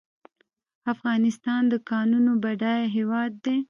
افغانستان د کانونو بډایه هیواد دی